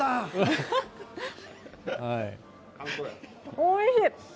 おいしい！